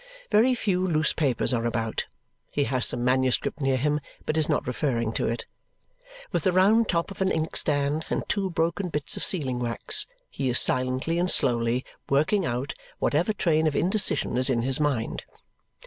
Very few loose papers are about. He has some manuscript near him, but is not referring to it. With the round top of an inkstand and two broken bits of sealing wax he is silently and slowly working out whatever train of indecision is in his mind.